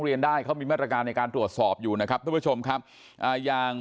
เรียนได้เขามีมาตรการในการตรวจสอบอยู่นะครับทุกผู้ชมครับอ่าอย่าง